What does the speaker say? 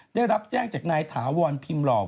ได้รับแจ้งจากนายถาวรพิมพ์หลอก